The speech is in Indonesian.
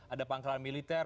ada pangkalan militer